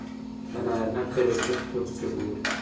د نارينه کرکټر سترګو ته ګوري